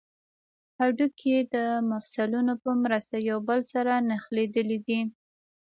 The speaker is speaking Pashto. هډوکي د مفصلونو په مرسته یو بل سره نښلیدلي دي